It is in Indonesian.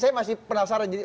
saya masih penasaran